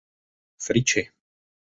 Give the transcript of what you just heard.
Friče.